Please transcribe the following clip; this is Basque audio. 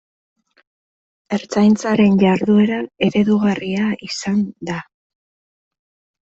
Ertzaintzaren jarduera eredugarria izan da.